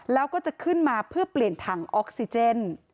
แล้วก็จะขึ้นมาเพื่อเปลี่ยนถังออกซิเจน